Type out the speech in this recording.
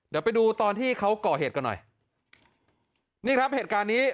เดี๋ยวไปดูตอนที่เขาก่อเหตุกันหน่อยนี่ครับเหตุการณ์นี้